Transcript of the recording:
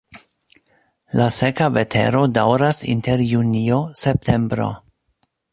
La seka vetero daŭras inter junio-septembro.